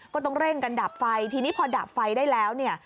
ก็ต้องเร่งกันดับไฟทีนี้พอดับไฟได้แล้วเนี่ย